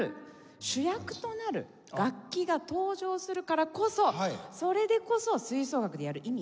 主役となる楽器が登場するからこそそれでこそ吹奏楽でやる意味がある。